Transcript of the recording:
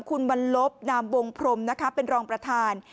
คุณวันลบนามวงพรมนะคะเป็นรองประธาน